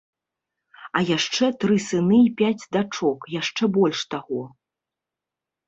А яшчэ тры сыны і пяць дачок яшчэ больш таго.